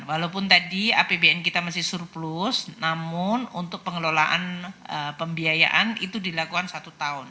walaupun tadi apbn kita masih surplus namun untuk pengelolaan pembiayaan itu dilakukan satu tahun